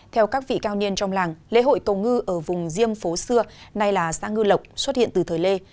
theo các vị cao niên trong làng lễ hội cầu ngư ở vùng diêm phố xưa nay là xã ngư lộc xuất hiện từ thời lê